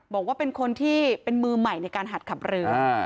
บอกว่าเป็นคนที่เป็นมือใหม่ในการหัดขับเรือ